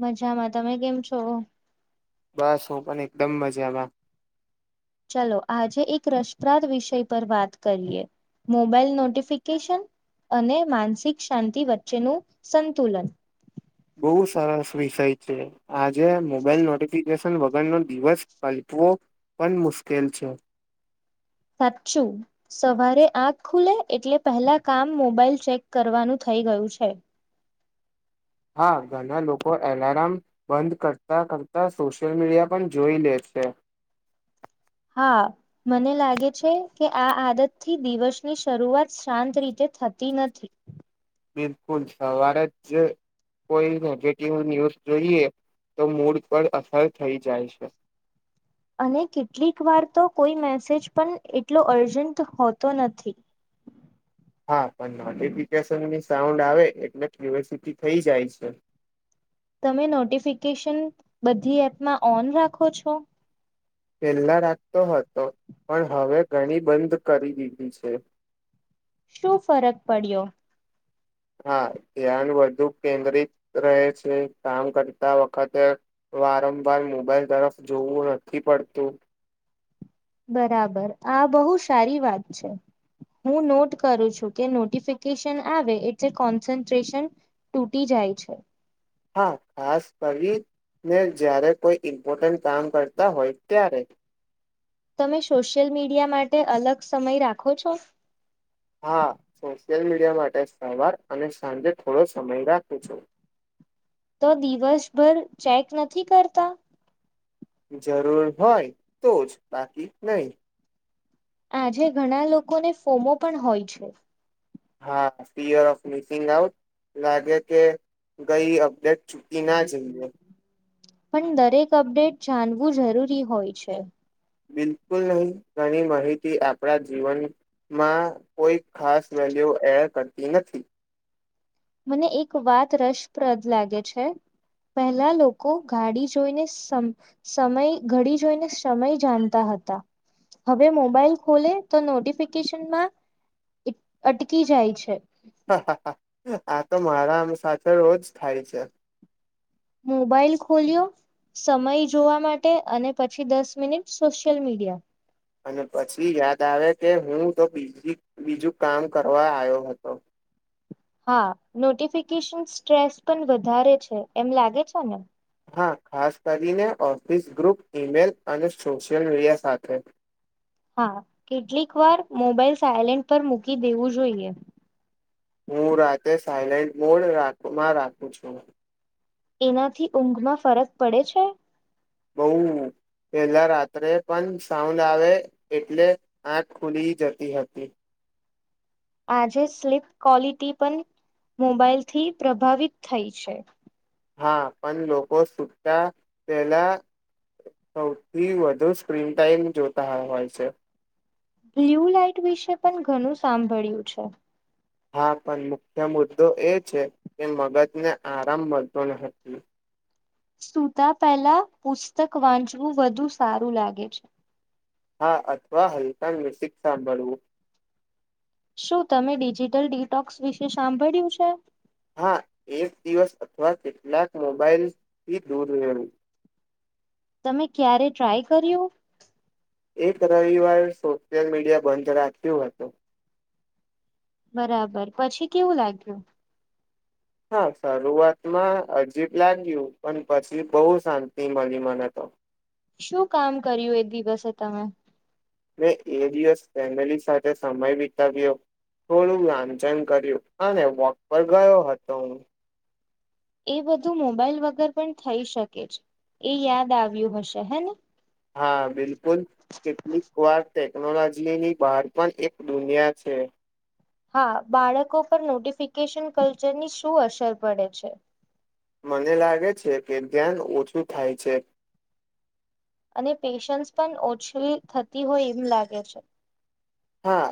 મજામાં તમે કેમ છો બસ હું પણ એકદમ મજામાં ચલો આજે એક રસપ્રાદ વિષય પર વાત કરીએ મોબાઈલ નોટિફિકેશન અને માનસિક શાંતિ વચ્ચેનું સંતુલન બહુ સરસ વિષય છે આજે મોબાઈલ નોટફિક ન વગરનો દિવસ કલ્પવો પણ મુશ્કેલ છે સાચચું સવારે આંખ ખુલે એટલે પહેલા કામ મોબાઈલ ચેક કરવાનું થઈ ગયું છે હા ઘણા લોકો એલાર્મ બંધ કરતાં કરતાં સોશિયલ મીડિયા પણ જોઈ લે છે હા મને લાગે છે કે આ આદત થી દિવસની શરૂઆત શાંત રીતે થતી નથી બિલકુલ સવારે જ કોઈ નેગેટિવ ન્યૂઝ જોઈએ તો મૂડ પર અસર થઈ જાય છે અને કેટલીક વાર તો કોઈ મેસેજ પણ એટલો અર્જન્ટ હોતો નથી હા પણ નોટિફિકેશનની સાઉન્ડ આવે એટલે ક્ુિવર્સિટી થઈ જાય છે તમે નોટિફિકેશન બધી એપમાં ઓન રાખો છો પહેલા રાખતો હતો પણ હવે ઘણી બંધ કરી દીધી છે શું ફરક પડ્યો હા ધ્યાન વધુ કેન્દ્રિત રહે છે કામ કરતા વખતે વારંવાર મોબાઈલ તરફ જોવું નથી પડતું બરાબર આ બહુ સારી વાત છે હું નોટ કરું છું કે નોટિફિકેશન આવે એટલે કોન્સન્ટ્રેશન તૂટી જાય છે હા ખાસ કવિને જ્યારે કોઈ ઈમ્પોર્ટન્ટ કામ કરતા હોય ત્યારે તમે સોશિયલ મીડિયા માટે અલગ સમય રાખો છો હા શો સશિયલ મીડિયા માટે સારવાર અને સાંજે થોડો સમય રાખું છું તો દિવસભર ચેક નથી કરતા જરૂર હોય તો જ બાકી નહી આજે ઘણા લોકોને ફોમો પણ હોય છે હા ફિયર ઓફ મિસિંગ આઉટ લાગે કે ગઈ અપડેટ છુકી ના ચઇએ પણ દરેક અપડેટ જાણવું જરૂરી હોય છે બિલકુલ નહીં ઘણી માહિતી આપણા જીવનમાં કોઈ ખાસ વેલ્યુ એડ કર એ નથી મને એક વાત રસપ્રદ લાગે છે પહેલા લોકો ગાડી જોઈને સમ સમય ઘડી જોઈને સમય જાણતા હતા હવે મોબાઈલ ખોલે તો નોટિફિકેશનમાં અટકી જાય છે હા હા હા આ તો મારામ સાથે રોજ થાય છે મોબાઈલ ખોલ્યો સમય જોવા માટે અને પછી દસ મિનિટ સોશિયલ મીડિયા અને પછી યાદ આવે કે હું તો બીજી બીજું કામ કરવા આવ્યો હતો હા નોટિફિકેશન સ્ટ્રેસ પણ વધારે છે એમ લાગે છે ને હા ખાસ કરીને ઓફિસ ગ્રુપ ઇમેલ અને સોશિયલ મીડિયા સાથે હા કેટલીક વાર મોબાઈલ સાયલેન્ટ પર મૂકી દેવું જોઈએ હું રાતે સાયલેન્ટ મોડમાં રાખું છું એનાથી ઊંઘમાં ફરક પડે છે બઉ પેલા રાત્રે પણ સાઉન્ડ આવે એટલે આંખ ખુલી જતી હતી આજે સ્લીપ ક્વોલિટી પણ મોબાાઈલથી પ્રભાવિત થઈ છે હા પણ લોકો સુતા પેલા સૌથી વધુ સ્ક્રીન ટાઈમ જોતા હોય છે બ્લ્યુ લાાઈટ વિશે પણ ઘણું સાંભળ્યું છે હા પણ મુખ્ય મુદ્દો એ છે કે મગજને આરામ મળતો ન સુૂતા પહેલા પુસ્તક વાંચવું વધુ સારું લાગે છે હા અથવા હલકા મિશિક સાંભળવું શું તમે ડિજિટલ ડિટોક્સ વિશે સાંભળ્યું છે હા એક દિવસ અથવા કેટલાક મોબાઈલથી દૂર રહેું તમે ક્યારે ટ્રાય કર્યું એ રવિવાર સોશિયલ મીડિયા બંધ રાખું હતું બરાબર પછી કેવું લાગ્યું હા શરૂઆતમાં અજીબ લાગ્યું પણ પછી બહુ શાંતિ મળી મને તો શું કામ કર્યું એ દિવસે તમે મેં એ દિવસ ફેમિલી સાથે સમય વિતાવ્યો થોડું લાંચન કર્યું અને વોક પર ગયો હતો હું એ બધું મોબાઈલ વગર પણ થઈ શકે છે એ યાદ આવ્યું હશે હે હા બિલકુલ કેટલીક વાર ટેકનોલોજીની બહાર પણ એક દુનિયા છે હા બાળકો પર નોટિફિકેશન કલ્ચરની શું અસર પડે છે મને લાગે છે કે ધ્યાન ઓછું થાય છે અને પેશન્સ પણ ઓછી થતી હોય એમ લાગે છે હા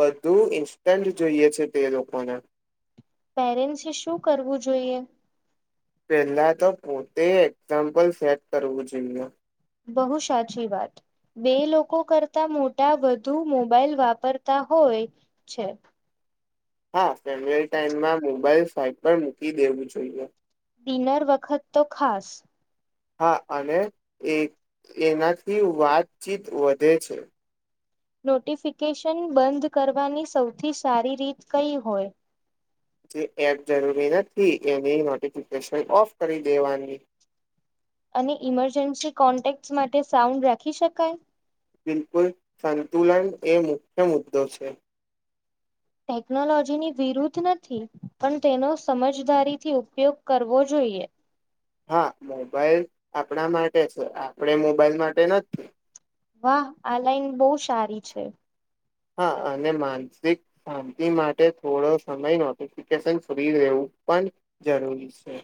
બધું ઇન્સ્ટન્ટ જોઈએ છે તે લોકોને પેરેન્ટસે શું કરવું જોઈએ પેલા તો પોતે એક્ઝામ્પલ સેટ કરવું જોઈએ બહુ સાચી વાત બે લોકો કરતા મોટા વધુ મોબાઈલ વાપરતા હોય છે. હા ફેમ ટાઈમમાં મોબાઈલ ફઇટ પર મૂકી દેવું જોઈએ ડિનર વખત તો ખાસ. હા અને એ એનાથી વાતચીત વધે છે. નોટિફિકેશન બંધ કરવાની સૌથી સારી રીત કઈ હોય. જે એપ જરૂરી નથી એની નોટિફિકેશન ઓફ કરી દેવાની. અને ઈમરજન્સી કોન્ટેક માટે સાઉન્ડ રાખી શકાય. બિલકુલ સંતુલન એ મુખ્ય મુદ્દો છે. ટેકનોલોજીની વિરુદ્ધ નથી પણ તેનો સમજદારીથી ઉપયોગ કરવો જોઈએ. હા મોબાઈલ આપણા માટે છે આપણે મોબાઈલ માટે નથી. વાહ આ લઇન બહુ સારી છે. હા અને માનસિક શાંતિ માટે થોડો સમય નોટિફિકેશન ફ્રી લેવું પણ જરૂરી છે.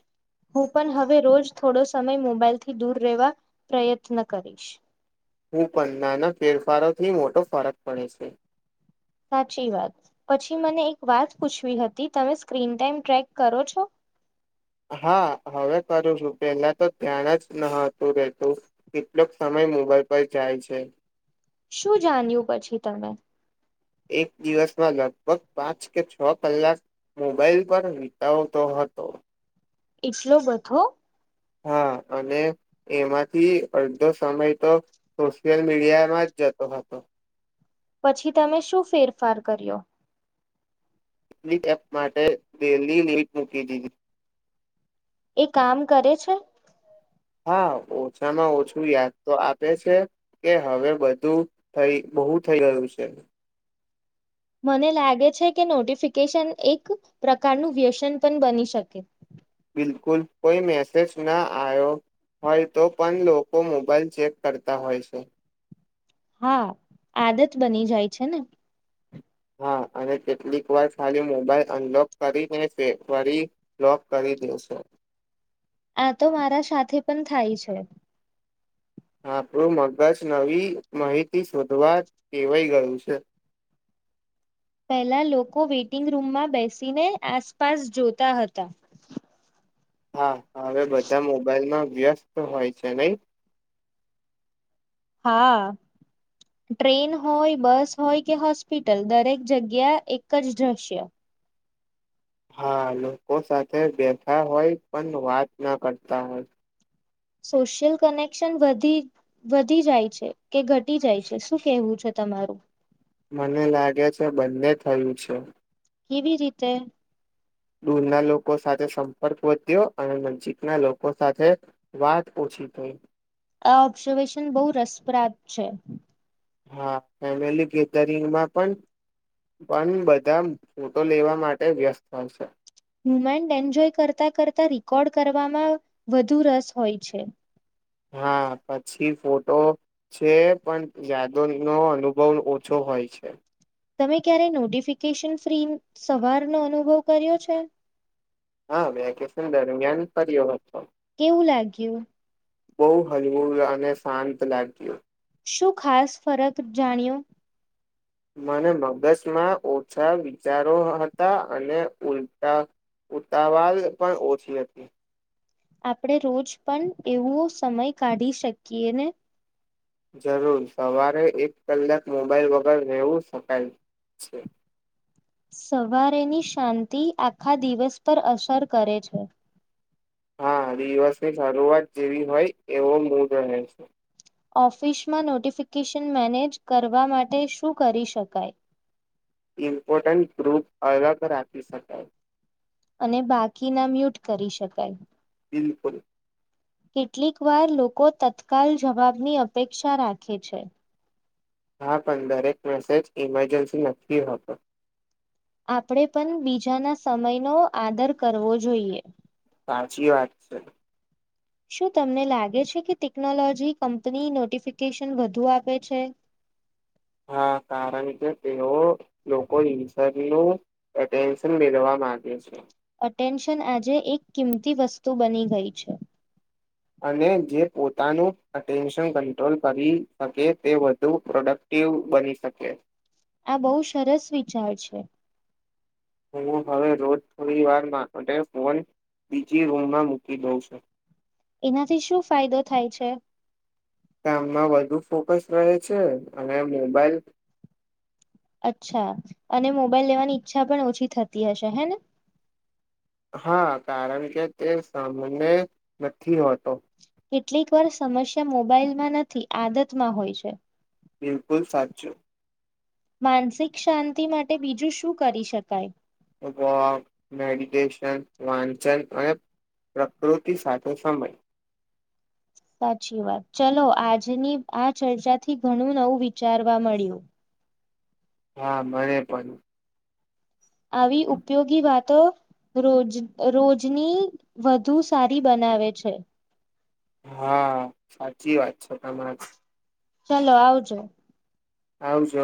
હું પણ હવે રોજ થોડો સમય મોબાાઈલથી દૂર રહેવા પ્રયત્ન કરીશ. હું પણ નાના ફેરફારોથી મોટો ફરક પડે છે. સાચી વાત પછી મને એક વાત પૂછવી હતી તમે સ્ક્રીન ટાઈમ ટ્રેક કરો છો. હા હવે કરું છું પેલા તો ધ્યાન જ નતું રેતું કેટલોક સમય મોબાઈલ પર જાય છે. શું જાણ્યું પછી તમે્ એક દિવસમાં લગભગ પાંચ કે છ કલાક મોબાઈલ પર વિતાવતો હતો એટલો બધો. હા અને એમાંથી અડધો સમય તો સોશિયલ મીડિયામાં જ જતો હતો. પછી તમે શું ફેરફાર કર્યો. એપ માટે ડેલી લિમિટ મૂકી દીધી. એ કામ કરે છે. હા ઓછામાં ઓછું યાદ તો આપે છે કે હવે બધું થ બહુ થઈ ગયું છે. મને લાગે છે કે નોટિફિકેશન એક પ્રકારનું વ્યસન પણ બની શકે. બિલકુલ કોઈ મેસેજ ના આવ્યો હોય તો પણ લોકો મોબાઈલ ચેક કરતા હોય છે. હા આદત બની જાય છે ને. હા અને કેટલીક વાર ખાલી મોબાઈલ અનલોક કરીને ફેર ફરી બલોક કરી દેશે. આ તો મારા સાથે પણ થાય છે. આપણું મગજ નવી માહિતી શોધવા ેવાઈ ગયું છે. પહેલા લોકો વેઇટિંગ રૂમમાં બેસીને આસપાસ જોતા હતા [inaudible] હવે બધા મોબાઈલમાં વ્યસ્ત તો હોય છે નહી હા ટ્રેન હોય બસ હોય કે હોસ્પિટલ દરેક જગ્યા એક જ જશે હા લોકો સાથે બેઠા હોય પણ વાત ના કરતા હોય. સોશિયલ કનેક્શની વધી જાય છે કે ઘટી જાય છે શું કેહેવું છે તમારું. મને લાગે છે બંને થયું છે. કેવી રીતે. દૂરના લોકો સાથે સંપર્ક વધ્યો અને નજીકના લોકો સાથે વાત ઓછી થઈ. આ ઓબ્ઝર્વેશન બહુ રસપ્રાદ છે. હા ફેમિલી ગેધરિંગમાં પણ પણ બધા ફોટો લેવા માટે વ્યસ્ત હોય છે. મુમેન્ટ એન્જોય કરતાં કરતાં રકોર્ડ કરવામાં વધુ રસ હોય છે. હા પછી ફોટો છે પણ યાદો નો અનુભવ ઓછો હોય છે. તમે ક્યારે નોટિફિકેશન ફ્રી સવારનો અનુભવ કર્યો છે. હા વેકેશન દરમિયાન ફ્યો હતો. કેવું લાગ્યું. બહુ હલવું અને શાંત લાગ્યું. શું ખાસ ફરક જાણ્યો. મને મગજમાં ઓછા વિચારો હતા અને ઉલ્ટા ઉતાવાલ પણ ઓછી હતી. આપણે રોજ પણ એવો સમય કાઢી શકીએ ને જરૂર સવારે એક કલાક મોબાઈલ વગર રહેવું શકાય છે. સવારેની શાંતિ આખા દિવસ પર અસર કરે છે. હા દિવસની શરૂઆત જેવી હોય એવો મૂડ રહે છે. ઓફિસમાં નોટિફિકેશન મેનેજ કરવા માટે શું કરી શકાય. ઇમ્પોર્ટન્ટ ગ્રુપ અલગ રાખી શકાય. અને બાકી ના મ્યુટ કરી શકાય. બિલકુલ. કેટલીક વાર લોકો તત્કાલ જવાબની અપેક્ષા રાખે છે. હા પણ દરેક મેસેજ ઈમરજન્સી નથી હોતો. આપણેે પણ બીજાના સમયનો આદર કરવો જોઈએ. સાચી વાત છે. શું તમને લાગે છે કે ટેકનોલોજી કંપની નોટિફિકેશન વધુ આપે છે. હા કારણ કે તેઓ લોકો ઈશર નું એટેન્શન મેળવા માંગે છે. અટેન્શન આજે એક કિંમતી વસ્તુ બની ગઈ છે. અને જે પોતાનું અટેન્શન કંટ્રોલ કરી શકે તે વધુ પ્રોડક્ટિવ બની શકે. આ બહુ સરસ વિચાર છે. હું હવે રોજ થોડી વાર માટે ફોન બીજી રૂમમાં મૂકી દઉં છું. એનાથી શું ફાયદો થાય છે. કામમાં વધુ ફોકસ રહે છે અને મોબાઈલ અચ્છા અને મોબાઈલ લેવાની ઈચ્છા પણ ઓછી થતી હશે હે ને. હા કારણ કે તે સામાને નથી હોત તો. કેટલીક વાર સમસ્યા મોબાઈલમાં નથી આદતમાં હોય છે. બિલકુલ સાચું. માનસિક શાંતિ માટે બીજું શું કરી શકાય. વોક, મેડિટેશન, વાંચન, અને પ્રકૃતિ સાથે સમય સાચી વાત ચલો આજની આ ચર્ચા થી ઘણું નવું વિચારવા મળ્યું. હા મને પણ. આવી ઉપયોગી વાત તો રોજ રોજની વધુ સારી બનાવે છે. હા સાચી વાત છે તમારે ચલો આવજો આવ જ